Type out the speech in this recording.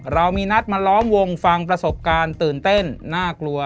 เรามีนัดมาล้อมวงฟังประสบการณ์ตื่นเต้นน่ากลัว